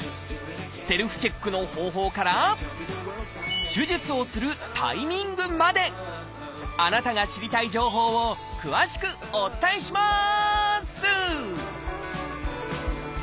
セルフチェックの方法から手術をするタイミングまであなたが知りたい情報を詳しくお伝えします！